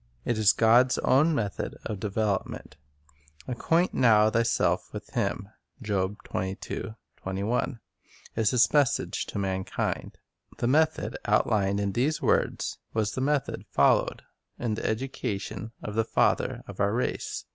It is God's own method of development. "Acquaint now thyself with Him," 3 is His message to mankind. The method outlined in these words was the method followed in the education of the father of our race.